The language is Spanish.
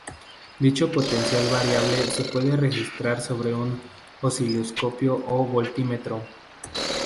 Dicho potencial variable se puede registrar sobre un osciloscopio o voltímetro.